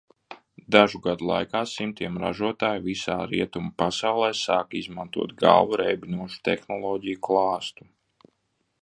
Dažu gadu laikā simtiem ražotāju visā rietumu pasaulē sāka izmantot galvu reibinošu tehnoloģiju klāstu.